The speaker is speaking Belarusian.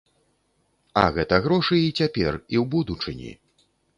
А гэта грошы і цяпер, і ў будучыні.